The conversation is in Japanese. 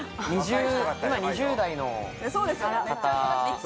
今２０代の方。